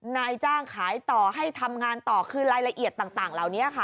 นายจ้างขายต่อให้ทำงานต่อคือรายละเอียดต่างเหล่านี้ค่ะ